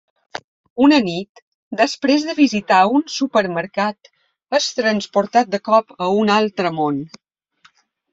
Una nit, després de visitar un supermercat, és transportat de cop a un altre món.